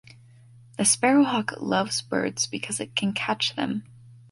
The sparrowhawk loves birds because it can catch them.